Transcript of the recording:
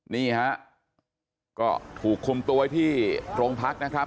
นี่ฮะก็ถูกคุมตัวไว้ที่โรงพักนะครับ